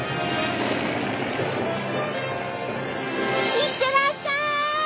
いってらっしゃい！